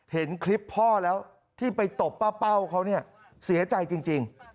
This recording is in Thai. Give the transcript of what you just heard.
เห็นคลิปพ่อแล้วที่ไปตบป้าเป้าเขาเนี่ยเสียใจจริง